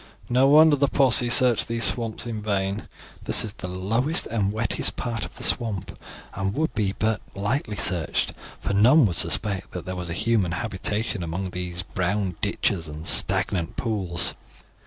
"No wonder the posse search these swamps in vain. This is the lowest and wettest part of the swamp, and would be but lightly searched, for none would suspect that there was a human habitation among these brown ditches and stagnant pools."